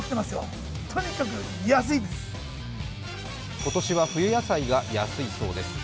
今年は冬野菜が安いそうです。